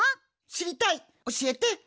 しりたいおしえて！